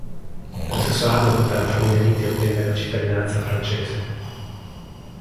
Nello stesso anno tutta la famiglia Nitti ottenne la cittadinanza francese.